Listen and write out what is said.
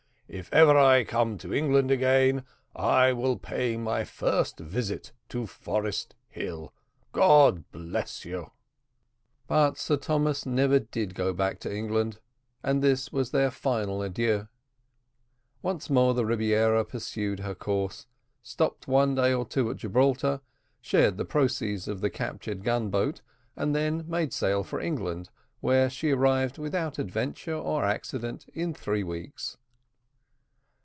If ever I come to England again, I will pay my first visit to Forest Hill. God bless you!" But Sir Thomas never did go back to England, and this was their final adieu. Once more the Rebiera pursued her course, stopped a day or two at Gibraltar, shared the proceeds of the captured gun boat, and then made sail for England, where she arrived without adventure or accident in three weeks.